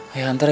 ayah antar ya